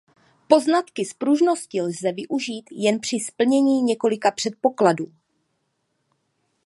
Poznatky z pružnosti lze využít jen při splnění několika předpokladů.